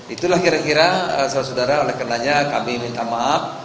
itulah kira kira saudara oleh karenanya kami minta maaf